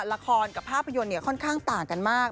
ละครกับภาพยนตร์ค่อนข้างต่างกันมาก